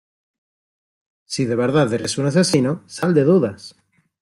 si de verdad eres un asesino, sal de dudas.